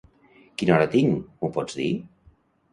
Quina hora tinc, m'ho pots dir?